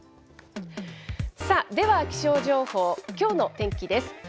さあ、では気象情報、きょうの天気です。